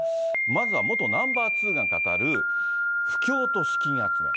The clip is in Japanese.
まずは元ナンバー２が語る布教と資金集め。